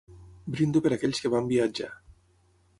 Brindo per aquells que van viatjar.